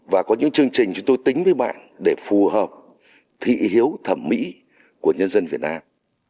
và có những chương trình chúng tôi tính với bạn để phù hợp thị hiếu thẩm mỹ của nhân dân việt nam